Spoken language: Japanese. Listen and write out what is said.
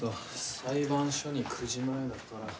裁判所に９時前だから。